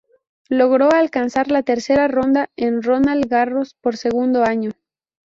Logró alcanzar la tercera ronda en Roland Garros por segundo año.